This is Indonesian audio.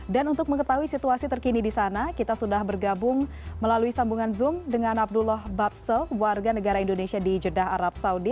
dan untuk mengetahui situasi terkini di sana kita sudah bergabung melalui sambungan zoom dengan abdullah babse warga negara indonesia di jeddah arab saudi